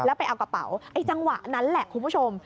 แล้วไปเอากระเป๋าไอ้จังหวะนั้นแหละคุณผู้ชม